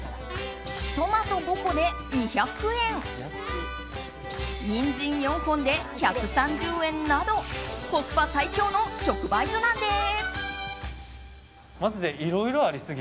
トマト５個で２００円ニンジン４本で１３０円などコスパ最強の直売所なんです。